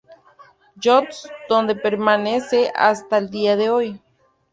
Johns, donde permanece hasta el día de hoy.